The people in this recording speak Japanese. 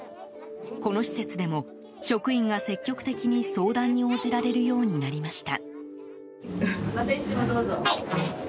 この施設でも、職員が積極的に相談に応じられるようになりました。